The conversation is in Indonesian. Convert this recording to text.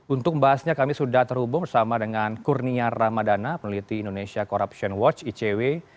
untuk membahasnya kami sudah terhubung bersama dengan kurnia ramadana peneliti indonesia corruption watch icw